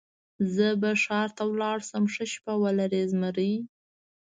زه به ښار ته ولاړ شم، ښه شپه ولرئ زمري.